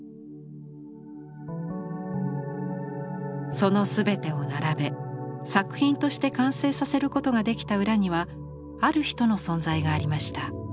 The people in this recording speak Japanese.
そのすべてを並べ作品として完成させることができた裏にはある人の存在がありました。